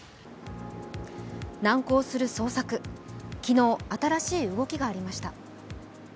難航する捜索、昨日、新しい動きがありました。